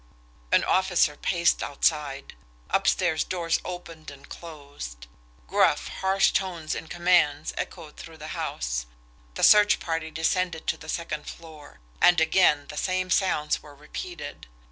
An officer paced outside. Upstairs doors opened and closed. Gruff, harsh tones in commands echoed through the house. The search party descended to the second floor and again the same sounds were repeated.